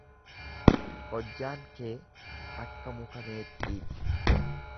Hojjaan kee akka muka meexxii ti.